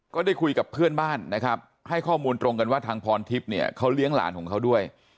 ก็ได้คุยกับเพื่อนบ้านนะครับให้ข้อมูลตรงกันว่าทางพรทิพย์เนี่ยเขาเลี้ยงหลานของเขาด้วย